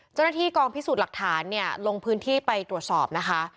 เจ้าหน้าที่กองพิสูจน์หลักฐานเนี่ยลงพื้นที่ไปตรวจสอบนะคะ